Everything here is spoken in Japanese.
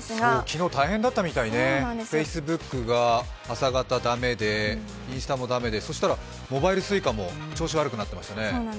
昨日大変だったみたいね、Ｆａｃｅｂｏｏｋが駄目で、インスタが駄目でインスタも駄目でそうしたらモバイルＳｕｉｃａも調子悪くなってましたね。